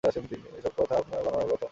এসব আপনার বানানো কথা।